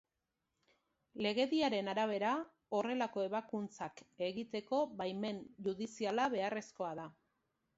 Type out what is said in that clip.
Legediaren arabera, horrelako ebakuntzak egiteko baimen judiziala beharrezkoa da.